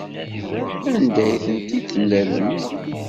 Anda ay tent-id-temlalemt?